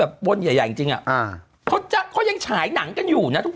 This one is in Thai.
บนใหญ่ใหญ่จริงจริงอ่ะอ่าเขาจะเขายังฉายหนังกันอยู่นะทุก